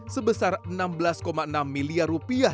sebesar enam belas enam miliar rupiah